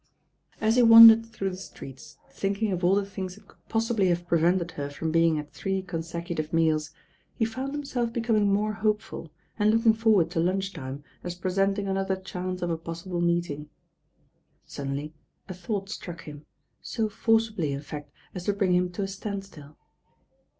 As he wandered through the streets thinking of all the things that could possibly have prevented her from being at three consecutive meals, he found himself becoming more hopeful, and looking for ward to lunch time as presenting another chance of a possible meeting. Suddenly a thought struck him, so forcibly in fact as to bring him to a standstill.